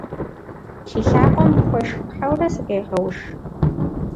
Си лъакъуэм хуэш хыхьэурэ сыкъегъэуш.